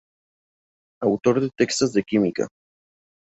Autor de textos de Química.